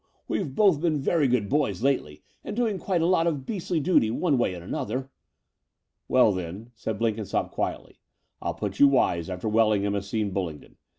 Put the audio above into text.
We've both been very good boys lately, and doing quite a lot of beastly duty one way and another." "Well then," said Blenkinsopp quietly, "I'll put you wise after Wellingham has seen Bulling don.